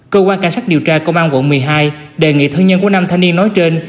cơ quan cảnh sát điều tra công an quận một mươi hai đề nghị thân nhân của năm thanh niên nói trên